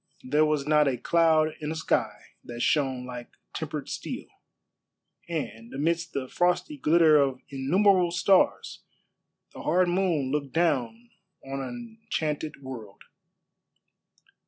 There was not a cloud in a sky that shone like tempered steel; and amidst the frosty glitter of innumerable stars the hard moon looked down on an enchanted world.